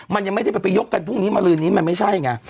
มันยังไม่ไปประยกกันพรุ่งนี้โมนมันไม่ใช่ไง